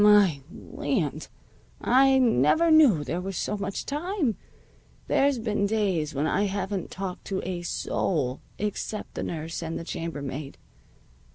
My land! I never knew there was so much time. There's been days when I haven't talked to a soul, except the nurse and the chambermaid.